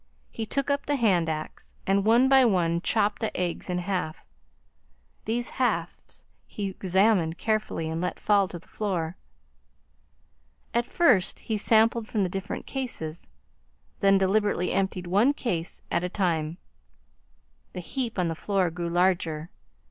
He took up the hand axe, and, one by one, chopped the eggs in half. These halves he examined carefully and let fall to the floor. At first he sampled from the different cases, then deliberately emptied one case at a time. The heap on the floor grew larger.